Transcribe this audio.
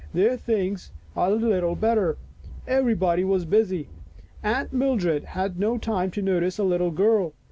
There things were little better. Everybody was busy. Aunt Mildred had no time to notice a little girl.